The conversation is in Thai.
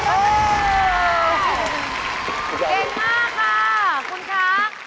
เก่งมากค่ะคุณครักษ์